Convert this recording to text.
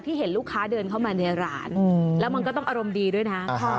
เห็นลูกค้าเดินเข้ามาในร้านแล้วมันก็ต้องอารมณ์ดีด้วยนะ